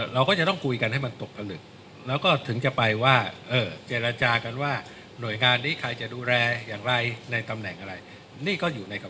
เราก็ต้องคุยกันให้มันลึก